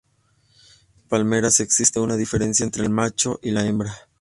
En estas palmeras existe una diferencia entre el macho y la hembra.